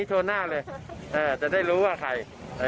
จะได้รู้ว่าใคร